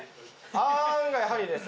あんがやはりですね。